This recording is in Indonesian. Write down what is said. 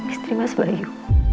istri mas bayu